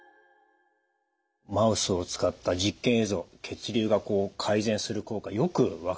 マウスを使った実験映像血流がこう改善する効果よく分かりました。